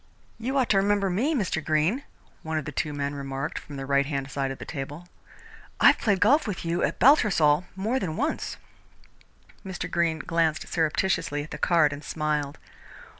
"You ought to remember me, Mr. Greene," one of the two men remarked from the right hand side of the table. "I've played golf with you at Baltusrol more than once." Mr. Greene glanced surreptitiously at the card and smiled.